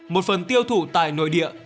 một phần tiêu thụ tại nội địa